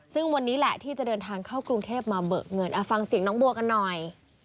ซึ่งวันนี้แหละที่จะเดินทางเข้ากรุงเทพมาเบิกเงินฟังเสียงน้องบัวกันหน่อย